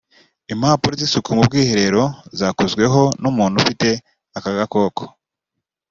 impapuro z’isuku mu bwiherero zakozweho n’umuntu ufite aka gakoko